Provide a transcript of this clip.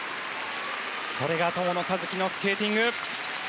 それが友野一希のスケーティング。